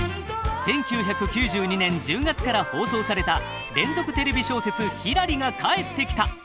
１９９２年１０月から放送された連続テレビ小説「ひらり」が帰ってきた！